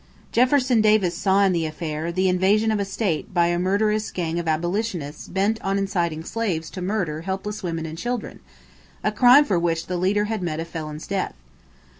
Jefferson Davis saw in the affair "the invasion of a state by a murderous gang of abolitionists bent on inciting slaves to murder helpless women and children" a crime for which the leader had met a felon's death.